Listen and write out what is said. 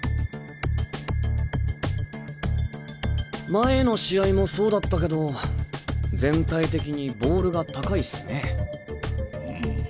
前の試合もそうだったけど全体的にボールが高いスね。